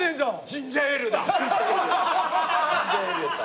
ジンジャーエールやった。